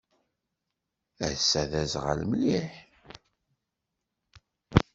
Ass-a d aẓɣal mliḥ.